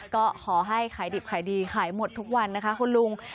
ก็ขอให้ขายดิบขายดีขายหมดทุกวันนะคะคุณลุง